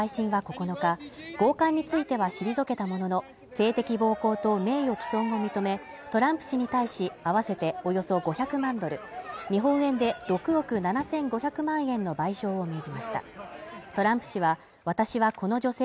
ニューヨーク連邦地裁の陪審は９日ごうかんについては退けたものの、性的暴行と名誉毀損を認め、トランプ氏に対し、あわせておよそ５００万ドル日本円で６億７５００万円の賠償を命じました。